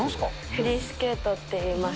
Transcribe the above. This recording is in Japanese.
フリースケートっていいます。